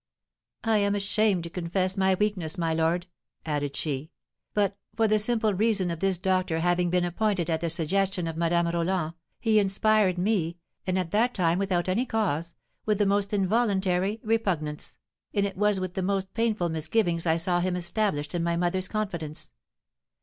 "I am ashamed to confess my weakness, my lord," added she; "but, for the simple reason of this doctor having been appointed at the suggestion of Madame Roland, he inspired me (and at that time without any cause) with the most involuntary repugnance, and it was with the most painful misgivings I saw him established in my mother's confidence.